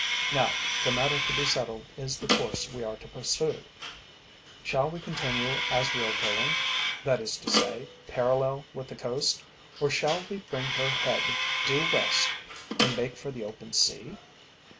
"Now the matter to be settled is the course we are to pursue. Shall we continue as we are going, that is to say, parallel with the coast, or shall we bring her head due west and make for the open sea?"